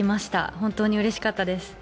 本当にうれしかったです。